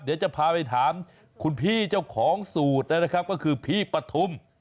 เดี๋ยวจะพาไปถามคุณพี่เจ้าของสูตรนะครับก็คือพี่ปฐุม